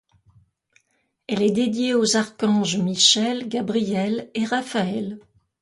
Elle est dédiée aux archanges Michel, Gabriel et Raphaël.